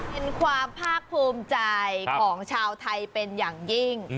เห็นความภาคภูมิใจของชาวไทยเป็นอย่างยิ่ง